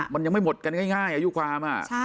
มันยังไม่หมดกันง่ายอายุความ